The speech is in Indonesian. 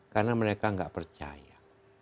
karena mereka tidak percaya